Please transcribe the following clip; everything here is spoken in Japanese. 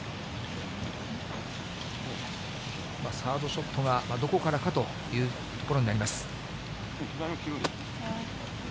サードショットがどこからかというところになります。